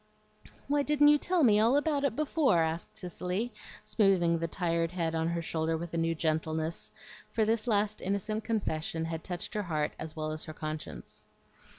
"Why didn't you tell me all about it before?" asked Cicely, smoothing the tired head on her shoulder with a new gentleness; for this last innocent confession had touched her heart as well as her conscience.